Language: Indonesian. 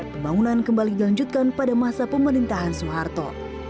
pembangunan kembali dilanjutkan pada masa pemerintahan soeharto